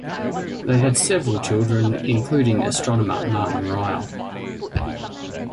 They had several children, including astronomer Martin Ryle.